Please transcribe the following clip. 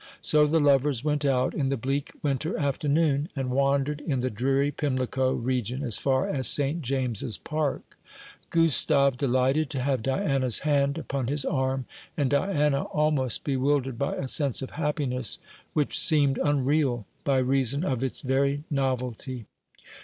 So the lovers went out in the bleak winter afternoon, and wandered in the dreary Pimlico region as far as St. James's Park Gustave delighted to have Diana's hand upon his arm, and Diana almost bewildered by a sense of happiness, which seemed unreal by reason of its very novelty.